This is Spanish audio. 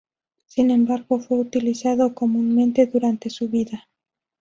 Sin embargo, fue utilizado comúnmente durante su vida.